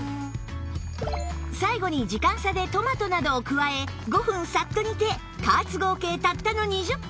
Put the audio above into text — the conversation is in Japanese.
最後に時間差でトマトなどを加え５分サッと煮て加圧合計たったの２０分